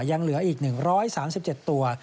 ยังเหลืออีก๑๓๗ตัว